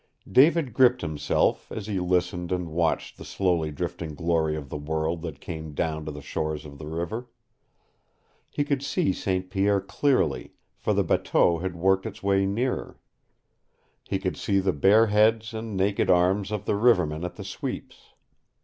David gripped himself as he listened and watched the slowly drifting glory of the world that came down to the shores of the river. He could see St. Pierre clearly, for the bateau had worked its way nearer. He could see the bare heads and naked arms of the rivermen at the sweeps.